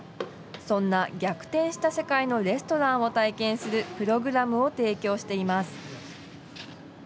そんな逆転した世界のレストランを体験するプログラムを提供しています。